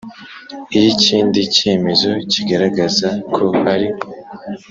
iy ikindi cyemezo kigaragaza ko ari